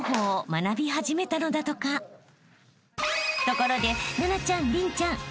［ところで奈々ちゃん麟ちゃん］